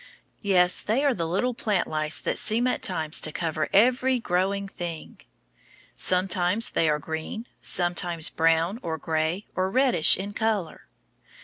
Yes, they are the little plant lice that seem at times to cover every growing thing. Sometimes they are green, sometimes brown, or gray, or reddish, in color.